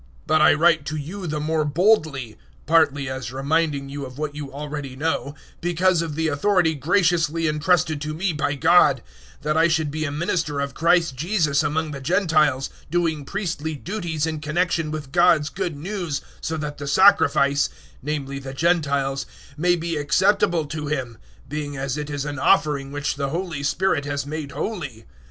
015:015 But I write to you the more boldly partly as reminding you of what you already know because of the authority graciously entrusted to me by God, 015:016 that I should be a minister of Christ Jesus among the Gentiles, doing priestly duties in connexion with God's Good News so that the sacrifice namely the Gentiles may be acceptable to Him, being (as it is) an offering which the Holy Spirit has made holy.